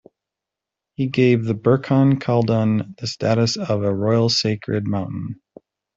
He gave the Burkhan Khaldun the status of a royal sacred mountain.